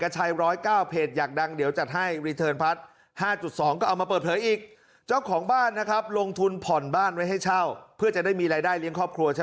จ่ายแค่๒เดือน